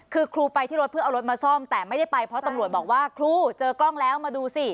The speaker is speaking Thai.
คือครูไปที่รถเพื่อเอารถมาซ่อมแต่ไม่ได้ไปเพราะตำรวจบอกว่าครูเจอกล้องแล้วมาดูสิ